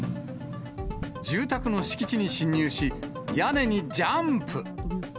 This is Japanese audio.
住宅の敷地に侵入し、屋根にジャンプ。